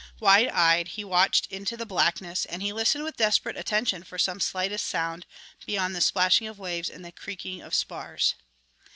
Wide eyed he watched into the blackness, and he listened with desperate attention for some slightest sound beyond the splashing of waves and the creaking of spars.